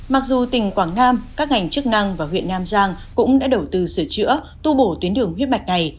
mặc dù tỉnh quảng nam các ngành chức năng và huyện nam giang cũng đã đầu tư sửa chữa tu bổ tuyến đường huyết mạch này